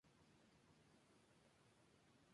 La floración se produce en el otoño y el invierno.